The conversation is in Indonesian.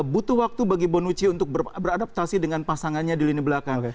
butuh waktu bagi bonucci untuk beradaptasi dengan pasangannya di lini belakang